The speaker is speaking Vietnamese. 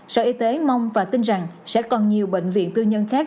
sở y tế mong và tin rằng sẽ còn nhiều bệnh viện tư nhân khác